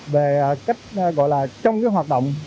về cách gọi là trong hoạt động